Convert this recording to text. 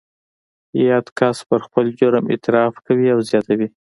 یاد کس پر خپل جرم اعتراف کوي او زیاتوي